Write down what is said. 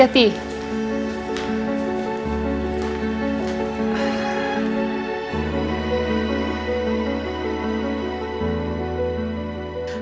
ya ampun aduh